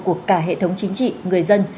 của cả hệ thống chính trị người dân